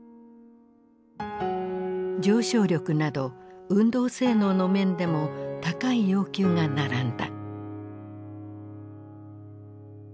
上昇力など運動性能の面でも高い要求が並んだ。